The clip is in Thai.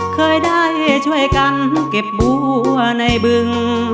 เคยได้ช่วยกันเก็บบัวในบึง